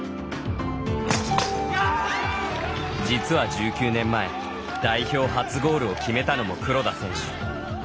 実は１９年前代表初ゴールを決めたのも黒田選手。